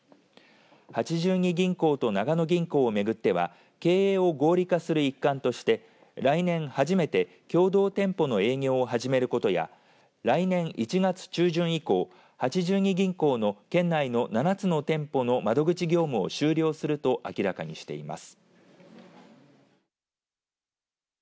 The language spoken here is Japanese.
八十二銀行と長野銀行を巡っては経営を合理化する一環として来年初めて共同店舗の営業を始めることや来年１月中旬以降八十二銀行の県内の７つの店舗の窓口業務を終了すると明らかにしています。